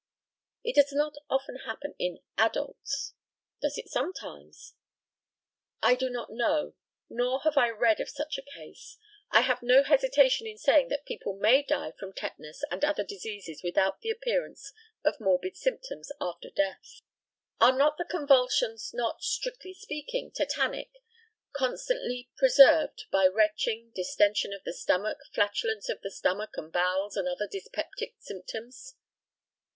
It does not often happen to adults. Does it sometimes? I do not know, nor have I read of such a case. I have no hesitation in saying that people may die from tetanus and other diseases without the appearance of morbid symptoms after death. Are not convulsions not, strictly speaking, tetanic, constantly preserved by retching, distention of the stomach, flatulence of the stomach and bowels, and other dyspeptic symptoms?